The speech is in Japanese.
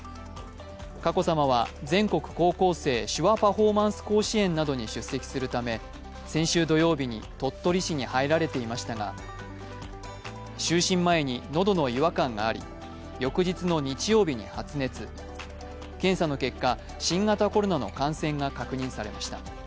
佳子さまは全国高校生手話パフォーマンス甲子園などに出席するため先週土曜日に鳥取市に入られていましたが、就寝前に喉の違和感があり翌日の日曜日に発熱検査の結果、新型コロナの感染が確認されました。